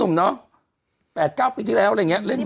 นกหนุ่มเนอะแปดเก้าปีที่แล้วอะไรอย่างเงี้ยเล่นกัน